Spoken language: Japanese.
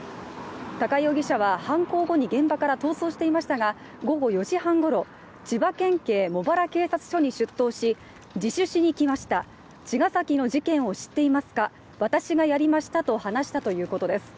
高井容疑者は犯行後に現場から逃走していましたが午後４時半ごろ、千葉県警茂原警察署に出頭し自首しにきました、茅ヶ崎の事件を知っていますか、私がやりましたと話したということです。